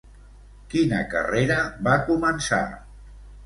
Quina carrera va començar?